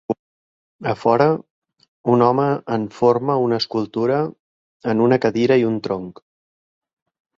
A fora, un home enforma una escultura en una cadira i un tronc.